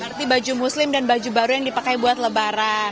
berarti baju muslim dan baju baru yang dipakai buat lebaran